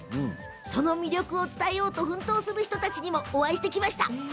その魅力を伝えようと奮闘する人たちにもお会いしてきました。